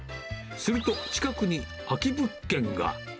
すると、近くに空き物件が。